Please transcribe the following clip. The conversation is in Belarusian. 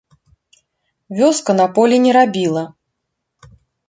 Вёска на полі не рабіла.